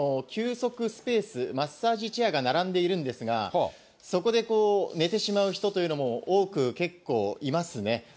休息スペース、マッサージチェアが並んでいるんですが、そこで寝てしまう人というのも多く、結構いますね。